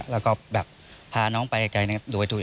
แล้วก็แบบพาน้องไปไกลนะครับ